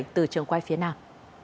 từ trường quay phía nam